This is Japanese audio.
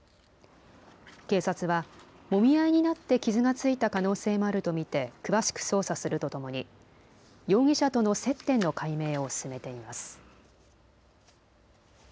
警察はもみ合いになって傷がついた可能性もあると見て詳しく捜査するとともに容疑者との接点の解明を進めています。